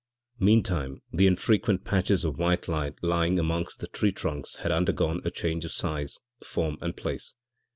Meantime the infrequent patches of white light lying amongst the tree trunks had undergone changes of size, form and place.